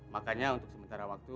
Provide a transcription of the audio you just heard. makanya untuk sementara waktu